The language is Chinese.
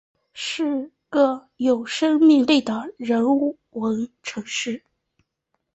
是个有生命力的人文城市